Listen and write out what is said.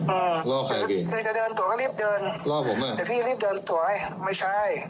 อืมล่อใครพี่ถ้าเดินตั๋วก็รีบเดินล่อผมน่ะแต่พี่รีบเดินตั๋วไม่ใช่